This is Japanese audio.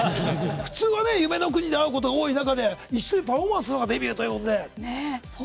普通は、夢の国で会うことが多い中で一緒にパフォーマンスするのがデビューということで。